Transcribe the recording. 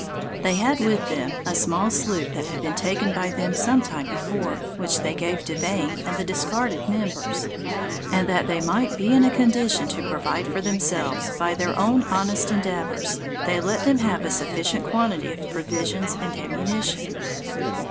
They had with them a small sloop that had been taken by them some time before, which they gave to Vane and the discarded members; and that they might be in a condition to provide for themselves by their own honest endeavors, they let them have a sufficient quantity of provisions and ammunition.